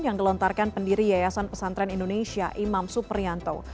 yang dilontarkan pendiri yayasan pesantren indonesia imam suprianto